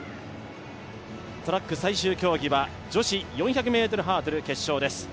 トラック最終競技は女子４００ｍハードル決勝です。